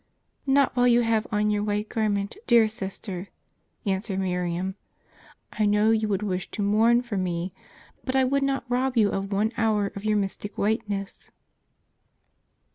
" Not while you have on your white garment, dear sister," answered Miriam. " I know you would wish to mourn for me ; but I would not rob you of one hour of your mystic white ness."